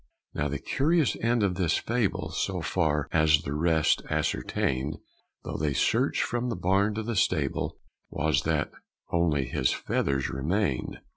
Now the curious end of this fable, So far as the rest ascertained, Though they searched from the barn to the stable, Was that _only his feathers remained.